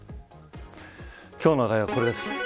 今日の話題はこれです。